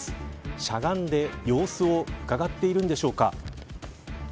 しゃがんで、様子を伺っているんでしょうか。